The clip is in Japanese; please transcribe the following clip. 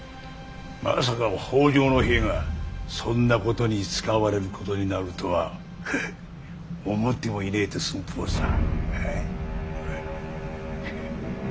まさか北条の兵がそんなことに使われることになるとは思ってもいねえって寸法さ。